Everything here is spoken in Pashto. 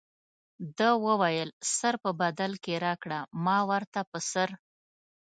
ده وویل سر په بدل کې راکړه ما ورته په سر.